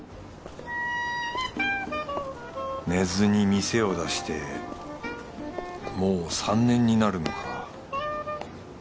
根津に店を出してもう３年になるのか